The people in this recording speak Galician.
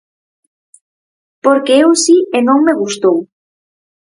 Porque eu si e non me gustou.